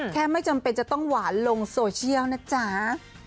ไม่จำเป็นจะต้องหวานลงโซเชียลนะจ๊ะ